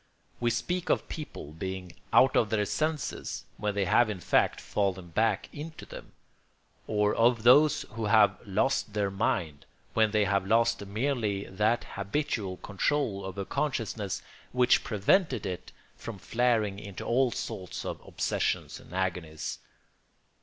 We speak of people being "out of their senses," when they have in fact fallen back into them; or of those who have "lost their mind," when they have lost merely that habitual control over consciousness which prevented it from flaring into all sorts of obsessions and agonies.